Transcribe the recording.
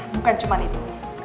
bukan cuma itu